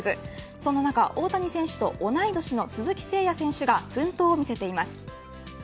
そんな中大谷選手と同い年の鈴木誠也選手が奮闘を見せています。